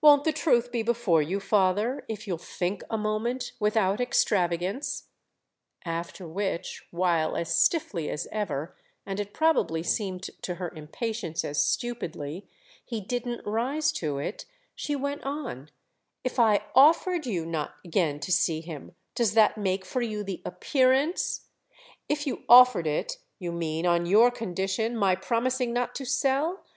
"Won't the truth be before you, father, if you'll think a moment—without extravagance?" After which, while, as stiffly as ever—and it probably seemed to her impatience as stupidly—he didn't rise to it, she went on: "If I offered you not again to see him, does that make for you the appearance—?" "If you offered it, you mean, on your condition—my promising not to sell?